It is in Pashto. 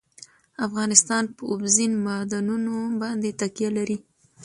افغانستان په اوبزین معدنونه باندې تکیه لري.